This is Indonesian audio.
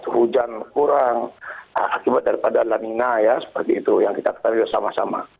hujan kurang akibat daripada lanina ya seperti itu yang kita ketahui bersama sama